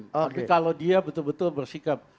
tapi kalau dia betul betul bersikap